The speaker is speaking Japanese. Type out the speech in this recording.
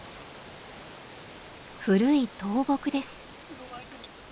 古い倒木です。